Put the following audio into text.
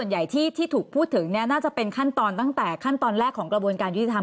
น่าจะเป็นขั้นตอนตั้งแต่ขั้นตอนแรกของกระบวนการยุทิธรรม